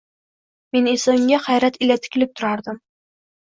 Men esa unga hayrat ila tikilib turardim